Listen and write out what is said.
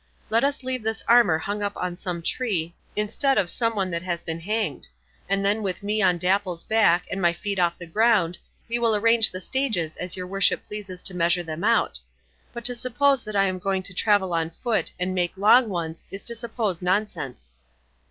Let us leave this armour hung up on some tree, instead of some one that has been hanged; and then with me on Dapple's back and my feet off the ground we will arrange the stages as your worship pleases to measure them out; but to suppose that I am going to travel on foot, and make long ones, is to suppose nonsense."